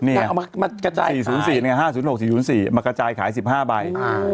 นี่อ่ะ๔๐๔๕๐๖๔๐๔มากระจายขาย๑๕ใบ